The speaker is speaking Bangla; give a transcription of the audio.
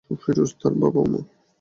ফিরোজ এবং তার বাবা ও মা।